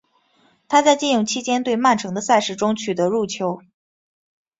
他在借用期间对曼城的赛事中取得入球。